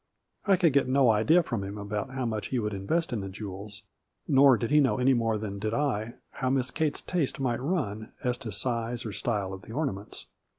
I could get no idea from him about how much he would invest in the jewels, nor did he know any more than did I how Miss Kate's taste might run as to size or style of the ornaments.